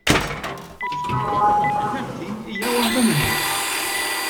Newsbook. com. mt hija waħda minnhom.